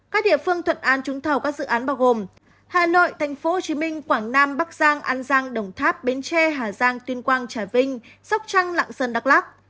các địa phương thuận an trúng thầu các dự án bao gồm hà nội tp hcm quảng nam bắc giang an giang đồng tháp bến tre hà giang tuyên quang trà vinh sóc trăng lạng sơn đắk lắc